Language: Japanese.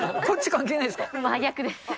真逆です。